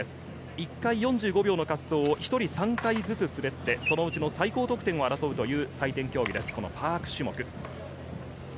１回、４５秒の滑走を１人３回ずつ滑って最高得点を争うという採点競技です、パーク種目。